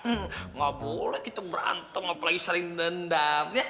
hmm ga boleh kita berantem apalagi saling dendam